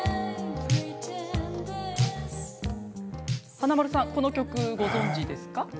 華丸さん、この曲ご存じですか？